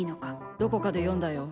どこかで読んだよ。